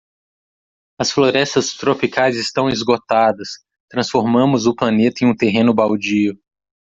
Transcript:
As florestas tropicais estão esgotadas? transformamos o planeta em um terreno baldio.